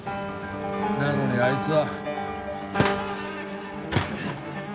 なのにあいつは。